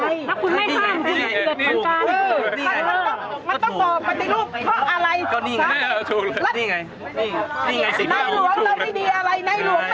มันต้องบอกปฏิรูปเพราะอะไรนายหลวงเราไม่ดีอะไรนายหลวงไม่ดีแบบไหนคุณพูดมา